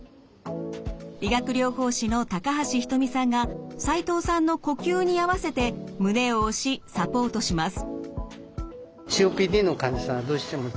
理学療法士の橋仁美さんが齋藤さんの呼吸に合わせて胸を押しサポートします。